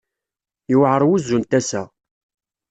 Yewɛer wuzzu n tasa.